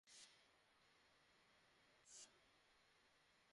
একাধিক প্রার্থী এসব ফলাফল বাতিল করে পুনরায় ভোট গণনার দাবি জানিয়েছেন।